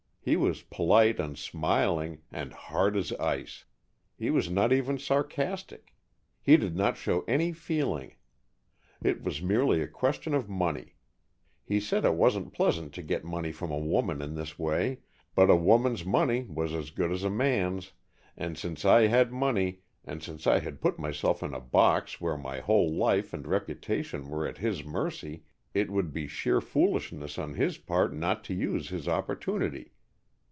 He was polite and smiling, and hard as ice. He was not even sarcastic. He did not show any feeling. It was merely a question of money. He said it wasn't pleasant to get money from a woman in this way, but a woman's money was as good as a man's, and since I had money, and since I had put myself in a box where my whole life and reputation were at his mercy, it would be sheer foolishness on his part not to use his opportunity.